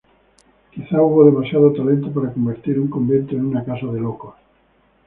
Quizá hubo demasiado talento para convertir un convento en una casa de locos.